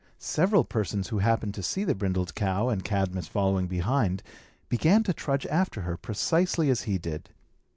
Several persons who happened to see the brindled cow, and Cadmus following behind, began to trudge after her, precisely as he did.